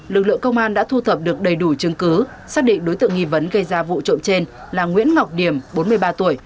lực lượng công an đã thu thập được đầy đủ chứng cứ xác định đối tượng nghi vấn gây ra vụ trộm trên là nguyễn ngọc điểm bốn mươi ba tuổi